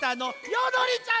よどりちゃん！